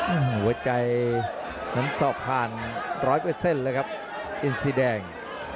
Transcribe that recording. หัวใจนั้นสอบผ่านร้อยเปอร์เซ็นต์เลยครับอินซีแดง